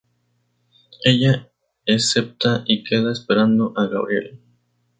Ella acepta y queda esperando a Gabriel.